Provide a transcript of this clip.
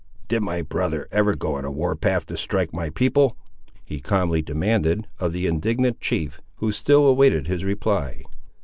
"Did my brother ever go on a war path to strike my people?" he calmly demanded of the indignant chief, who still awaited his reply.